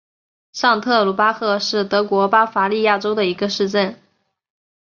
上特鲁巴赫是德国巴伐利亚州的一个市镇。